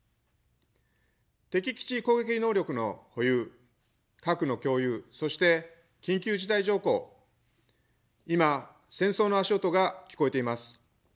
敵基地攻撃能力の保有、核の共有、そして緊急事態条項、今戦争の足音が聞こえています。